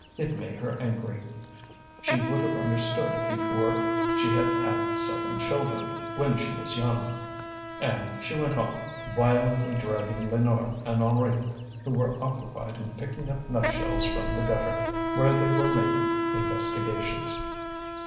It made her angry; she would have understood before she had had seven children, when she was young. And she went off, violently dragging Lénore and Henri who were occupied in picking up nut shells from the gutter where they were making investigations.